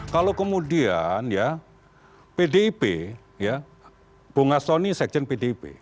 kalau kemudian ya pdip ya bunga sto ini sekjen pdip